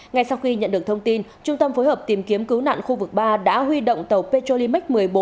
ngay sau khi nhận được thông tin trung tâm phối hợp tìm kiếm cứu nạn khu vực ba đã huy động tàu petrolimax một mươi bốn